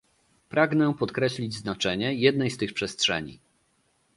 Pragnę podkreślić znaczenie jednej z tych przestrzeni